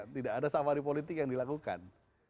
tidak ada safari politik yang dilakukan